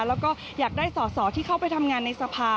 แล้วก็อยากได้สอสอที่เข้าไปทำงานในสภา